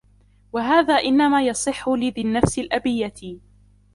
وَهَذَا إنَّمَا يَصِحُّ لِذِي النَّفْسِ الْأَبِيَّةِ